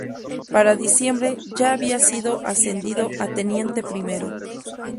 Para diciembre ya había sido ascendido a teniente primero.